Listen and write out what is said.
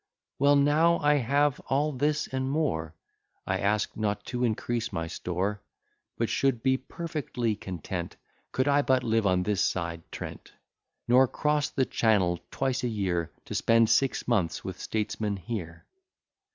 Well, now I have all this and more, I ask not to increase my store; But should be perfectly content, Could I but live on this side Trent; Nor cross the channel twice a year, To spend six months with statesmen here.